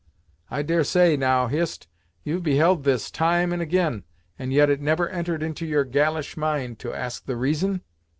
I dare say, now, Hist, you've beheld this, time and ag'in, and yet it never entered into your galish mind to ask the reason?"